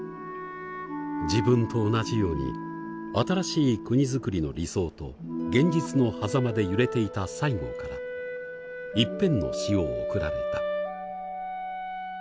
自分と同じように新しい国づくりの理想と現実のはざまで揺れていた西郷から一編の詩を贈られた。